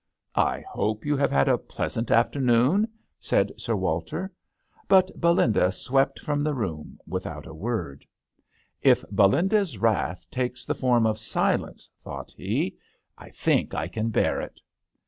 " I hope you have had a plea sant afternoon," said Sir Walter. But Belinda swept from the room without a word. " If Belinda's wrath takes the form of silence," thought he, " I think I can bear it." 36 THE h6tel d'angleterrs.